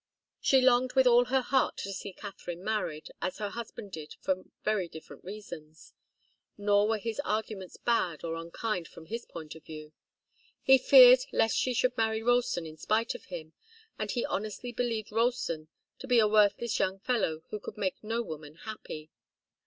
She longed with all her heart to see Katharine married, as her husband did from very different reasons. Nor were his arguments bad or unkind from his point of view. He feared lest she should marry Ralston in spite of him, and he honestly believed Ralston to be a worthless young fellow, who could make no woman happy.